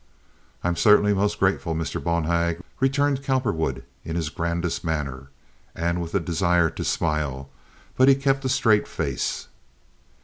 "I'm certainly most grateful, Mr. Bonhag," returned Cowperwood in his grandest manner, and with a desire to smile, but he kept a straight face.